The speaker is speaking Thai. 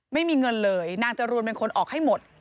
ไม่มีเงินเลยนางจรูนเป็นคนออกให้หมด